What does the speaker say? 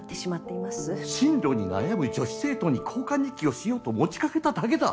進路に悩む女子生徒に交換日記をしようと持ちかけただけだ。